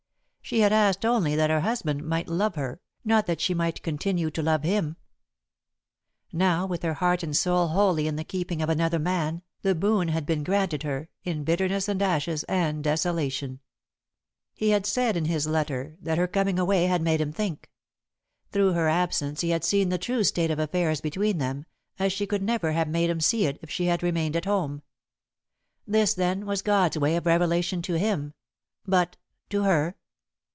She had asked only that her husband might love her; not that she might continue to love him. [Sidenote: Out of Harmony] Now, with her heart and soul wholly in the keeping of another man, the boon had been granted her, in bitterness and ashes and desolation. He had said, in his letter, that her coming away had made him think. Through her absence he had seen the true state of affairs between them, as she could never have made him see it if she had remained at home. This, then, was God's way of revelation to him, but to her?